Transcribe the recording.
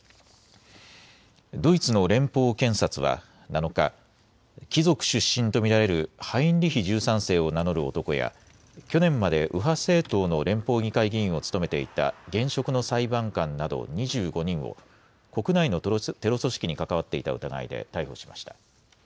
ドイツの連邦検察は７日、貴族出身と見られるハインリヒ１３世を名乗る男や去年まで右派政党の連邦議会議員を務めていた現職の裁判官など２５人を国内のテロ組織に関わっていた疑いで逮捕しました。